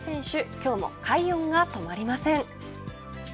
今日も快音が止まりません。